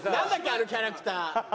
あのキャラクター。